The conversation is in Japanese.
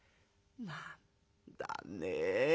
「何だねえ